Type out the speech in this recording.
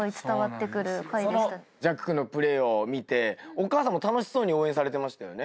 そのジャック君のプレーを見てお母さんも楽しそうに応援されてましたよね。